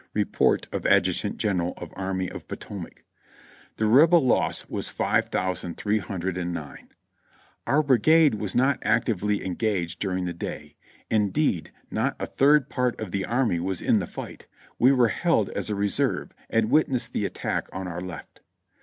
(Report of Adjutant General of Army of Potomac.) The Rebel loss was five thousand three hundred and nine. Our brigade was not actively engaged during the day ; indeed not a third part of the army w^as in the fight; we were held as a reserve, and witnessed the attack on our left.